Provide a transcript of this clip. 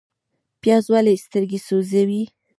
پیاز ولې سترګې سوځوي؟